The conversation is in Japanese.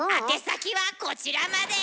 宛先はこちらまで。